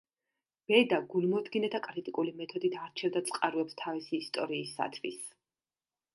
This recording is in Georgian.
ბედა გულმოდგინედ და კრიტიკული მეთოდით არჩევდა წყაროებს თავისი ისტორიისათვის.